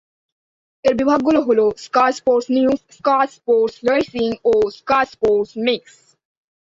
এর বিভাগগুলো হলো- Sky Sports News, Sky Sports Racing ও স্কাই স্পোর্টস মিক্স।